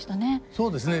そうですね。